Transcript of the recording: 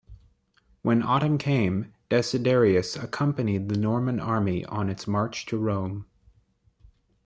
When autumn came, Desiderius accompanied the Norman army on its march to Rome.